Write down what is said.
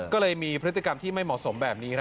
ก็เลยมีพฤติกรรมที่ไม่เหมาะสมแบบนี้